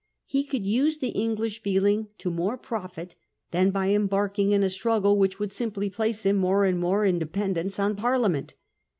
He could use the English feeling to more profit than by embarking in a struggle which would simply place him more and more in depend ence on Parliament.